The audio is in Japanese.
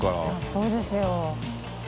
そうですよ。